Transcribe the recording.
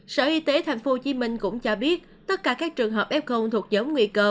sở y tế thành phố hồ chí minh cũng cho biết tất cả các trường hợp f thuộc nhóm nguy cơ